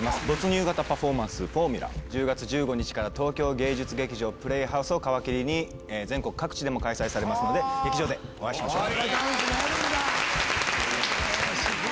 １０月１５日から東京芸術劇場プレイハウスを皮切りに全国各地でも開催されますので劇場でお会いしましょう。